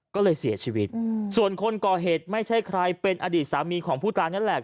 ก็เลยเสียชีวิตส่วนคนก่อเหตุไม่ใช่ใครเป็นอดีตสามีของผู้ตายนั่นแหละ